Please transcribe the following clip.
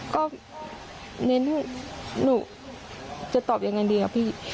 ก็เน้นหนูจะตอบอย่างไรดีครับพี่